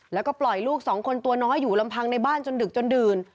แล้วก็ปล่อยลูกสองคนตัวน้อยอยู่ลำพังในบ้านจนดึกจนดื่น